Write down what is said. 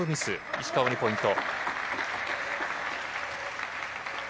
石川にポイント。